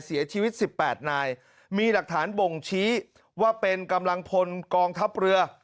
เสียชีวิต๑๘นายมีหลักฐานบ่งชี้ว่าเป็นกำลังพลกองทัพเรือ